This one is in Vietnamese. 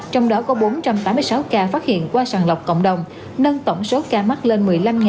trong đó có bốn trăm tám mươi sáu ca phát hiện qua sàn lọc cộng đồng nâng tổng số ca mắc lên một mươi năm sáu trăm năm mươi sáu